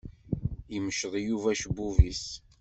Imceḍ Yuba acebbub-is.